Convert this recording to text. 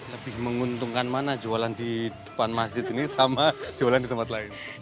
lebih menguntungkan mana jualan di depan masjid ini sama jualan di tempat lain